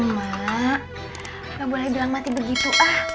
mak gak boleh bilang mati begitu ah